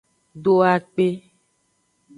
Do akpe.